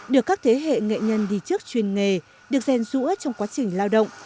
được các thế hệ nghệ nhân đi trước chuyên nghề được rèn rũa trong quá trình lao động